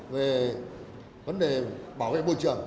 về vấn đề bảo vệ